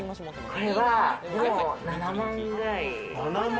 これは７万ぐらい。